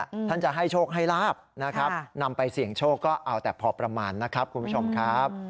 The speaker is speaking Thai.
ท่านจะให้โชคให้ลาบนะครับนำไปเสี่ยงโชคก็เอาแต่พอประมาณนะครับคุณผู้ชมครับ